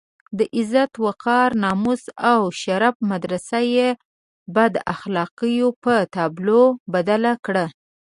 د عزت، وقار، ناموس او شرف مدرسه یې بد اخلاقيو په تابلو بدله کړه.